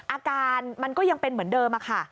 อาการมันก็ยังเป็นเหมือนเดิมค่ะ